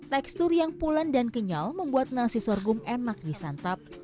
tekstur yang pulen dan kenyal membuat nasi sorghum enak disantap